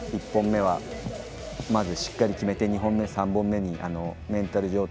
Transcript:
１本目はしっかり決めて２本目、３本目にメンタル。